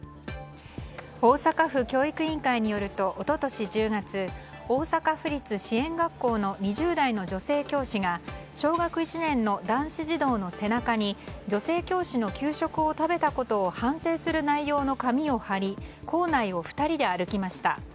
大阪府教育委員会によると一昨年１０月大阪府立支援学校の２０代の女性教師が小学１年の男子児童の背中に女性教師の給食を食べたことを反省する内容の紙を貼り、校内を２人で歩きました。